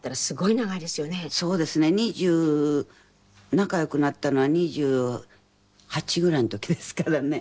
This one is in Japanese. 仲良くなったのは２８ぐらいの時ですからね。